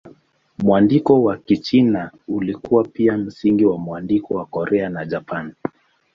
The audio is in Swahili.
Mwandiko wa Kichina ulikuwa pia msingi wa mwandiko wa Korea na Japani.